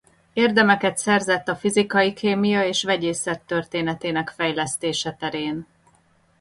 Érdemeket szerzett a fizikai kémia és vegyészet történetének fejlesztése terén.